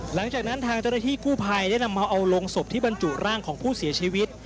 หลังจากนั้นทางเจ้าหน้าที่กู้ภัยได้นำมาเอาโรงศพที่บรรจุร่างของผู้เสียชีวิต